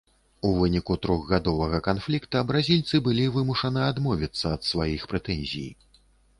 У выніку трохгадовага канфлікта бразільцы былі вымушаны адмовіцца ад сваіх прэтэнзій.